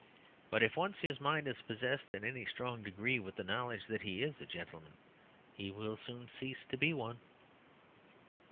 But if once his mind is possessed in any strong degree with the knowledge that he is a gentleman, he will soon cease to be one.